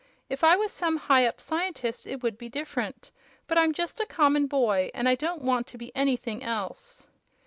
If I was some high up scientist it would be different; but I'm just a common boy, and I don't want to be anything else."